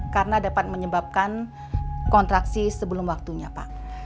karena dapat menyebabkan kontraksi sebelum waktunya pak